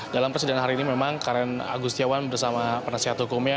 dalam persidangan hari ini memang karen agustiawan bersama penasihat hukumnya